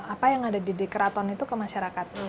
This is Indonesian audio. apa yang ada di keraton itu ke masyarakatnya